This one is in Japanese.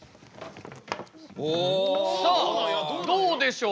さあどうでしょう。